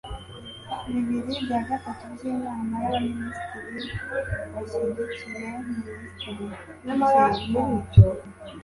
bibiri bya gatatu by'inama y'abaminisitiri bashyigikiye minisitiri. bukeye bwaho